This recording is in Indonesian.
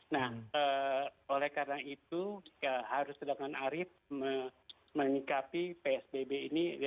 nah oleh karena itu harus dengan arif menyikapi psbb ini